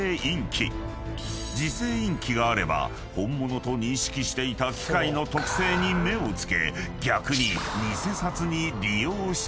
［磁性インキがあれば本物と認識していた機械の特性に目を付け］